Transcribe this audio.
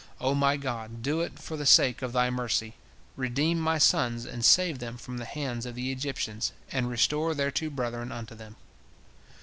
O my God, do it for the sake of Thy mercy, redeem my sons and save them from the hands of the Egyptians, and restore their two brethren unto them."